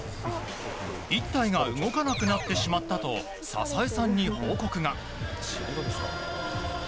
１体が動かなくなってしまったと笹江さんに報告が。